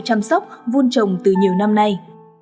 chăm sóc vun trồng từ nhiều năm nay